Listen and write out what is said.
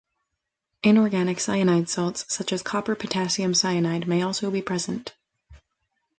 Inorganic cyanide salts such as copper potassium cyanide may also be present.